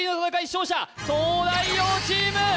勝者東大王チーム！